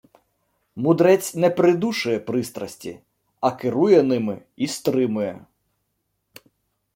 Мудрець не придушує пристрасті, а керує ними і стримує.